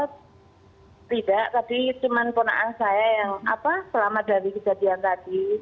tidak tadi cuma ponakan saya yang selamat dari kejadian tadi